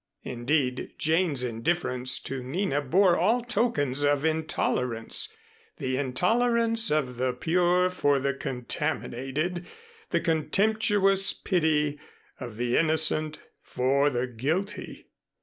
Indeed, Jane's indifference to Nina bore all tokens of intolerance, the intolerance of the pure for the contaminated, the contemptuous pity of the innocent for the guilty.